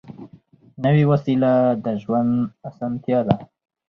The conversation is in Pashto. نوې وسیله د ژوند اسانتیا ده